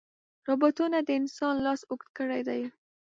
روبوټونه د انسان لاس اوږد کړی دی.